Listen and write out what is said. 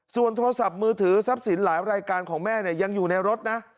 ส่วนโทรศัพท์มือถือทรัพย์สินหลายรายการของแม่ยังอยู่ในรถนะ